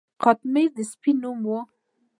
قطمیر د سپي نوم و.